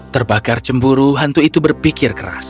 terbakar cemburu hantu itu berpikir keras